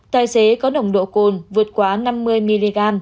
tài xế có nồng độ cồn vượt quá năm mươi mg